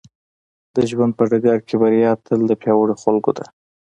د ژوند په ډګر کې بريا تل د پياوړو خلکو ده.